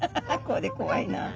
これ怖いな。